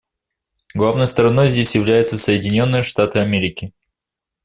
Главной стороной здесь являются Соединенные Штаты Америки.